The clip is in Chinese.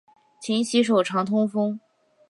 勤洗手，常通风。